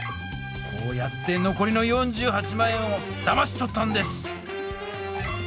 こうやってのこりの４８万円をだまし取ったんです！